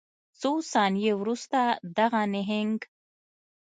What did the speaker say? څو ثانیې وروسته دغه نهنګ